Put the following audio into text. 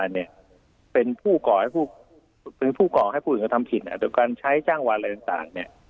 หรือผู้กรองให้ผู้อื่นก็ทำผิดโดยการใช้จ้างวันอะไรต่าง